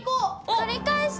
取り返した！